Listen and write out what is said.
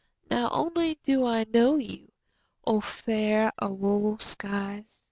Now only do I know you!O fair auroral skies!